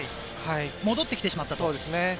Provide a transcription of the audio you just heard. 戻ってきてしまったと。